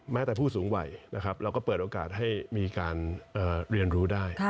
แม้แต่ผู้สูงวัยนะครับเราก็เปิดโอกาสให้มีการเรียนรู้ได้